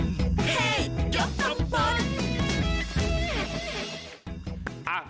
เฮยกลำบล